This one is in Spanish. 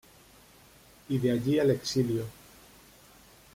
Y de allí al exilio.